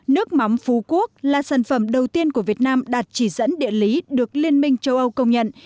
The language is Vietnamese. nước mắm phú quốc là sản phẩm đầu tiên của việt nam đạt chỉ dẫn địa lý được liên minh châu âu công nhận